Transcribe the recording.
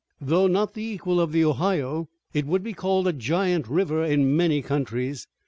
"Though not the equal of the Ohio, it would be called a giant river in many countries.